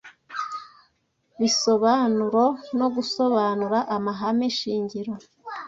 bisobanuro no gusobanura amahame shingiro